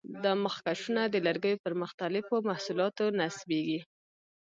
دا مخکشونه د لرګیو پر مختلفو محصولاتو نصبېږي.